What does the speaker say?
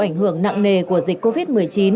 ảnh hưởng nặng nề của dịch covid một mươi chín